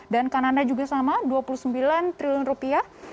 dan kanada juga sama dua puluh sembilan triliun rupiah